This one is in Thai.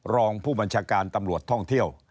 รองผู้บัญชาการตำรวจท่องเที่ยว